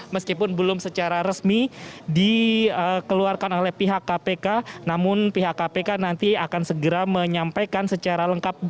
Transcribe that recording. meskipun belum secara resmi dikeluarkan oleh pihak kpk namun pihak kpk nanti akan segera menyampaikan secara lengkap